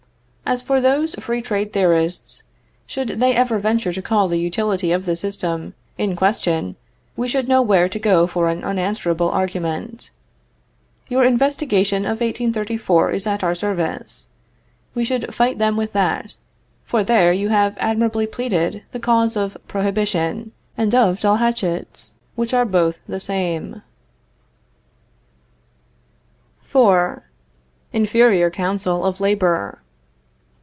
As for those free trade theorists, should they ever venture to call the utility of this system in question we should know where to go for an unanswerable argument. Your investigation of 1834 is at our service. We should fight them with that, for there you have admirably pleaded the cause of prohibition, and of dull hatchets, which are both the same. IV. INFERIOR COUNCIL OF LABOR.